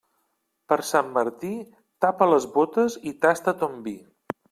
Per Sant Martí, tapa les bótes i tasta ton vi.